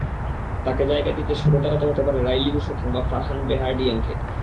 তাঁকে জায়গা দিতে সরে দাঁড়াতে হতে পারে রাইলি রুশো কিংবা ফারহান বেহারডিয়েনকে।